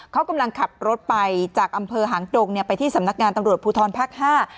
เขากำลังขับรถไปจากอำเภอหางดงเนี่ยไปที่สำนักงานตำรวจภูทรภาคห้า